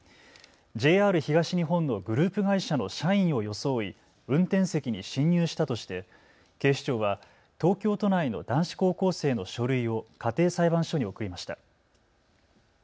ＪＲ東日本のグループ会社の社員を装い運転席に侵入したとして警視庁は東京都内の男子高校生の書類を家庭裁判所に送りました。